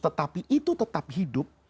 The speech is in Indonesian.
tetapi itu tetap hidup